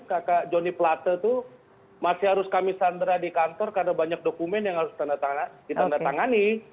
kakak joni plata itu masih harus kami sandera di kantor karena banyak dokumen yang harus kita tangani